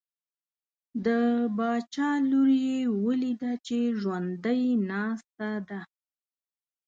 د باچا لور یې ولیده چې ژوندی ناسته ده.